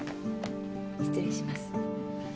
失礼します